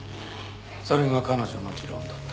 それが彼女の持論だった。